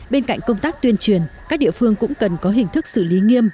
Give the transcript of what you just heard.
bên cạnh công tác tuyên truyền các địa phương cũng cần có hình thức xử lý nghiêm